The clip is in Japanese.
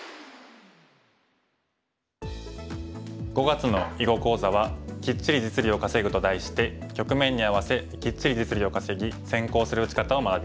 ５月の囲碁講座は「キッチリ実利を稼ぐ」と題して局面に合わせキッチリ実利を稼ぎ先行する打ち方を学びます。